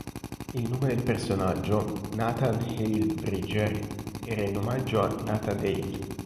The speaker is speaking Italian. Il nome del personaggio, Nathan Hale Bridger, era in omaggio a Nathan Hale.